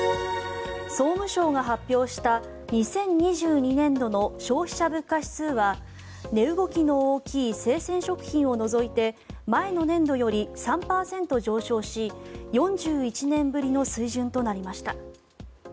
総務省が発表した２０２２年度の消費者物価指数は値動きの大きい生鮮食品を除いて前の年度より３％上昇し４１年ぶりの水準となりました。